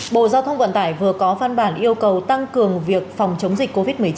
bộ giao thông vận tải vừa có văn bản yêu cầu tăng cường việc phòng chống dịch covid một mươi chín